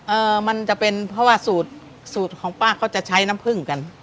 เอ่อมันจะเป็นเพราะว่าสูตรสูตรของป้าเขาจะใช้น้ำผึ้งกัน